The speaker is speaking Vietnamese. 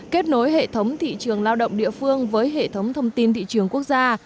kết nối hệ thống thị trường lao động địa phương với hệ thống thông tin thị trường quốc gia